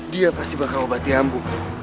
dia pasti bakal obati ambo